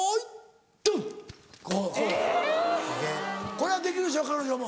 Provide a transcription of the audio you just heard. これはできるでしょ彼女も。